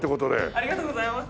ありがとうございます。